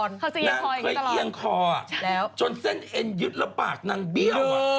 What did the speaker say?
นางเคยเอียงคอจนเส้นเอ็นยึดแล้วปากนางเบี้ยว